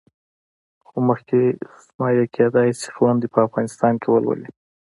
خو مخکې زما یې کېدای شي خویندې په افغانستان کې ولولي.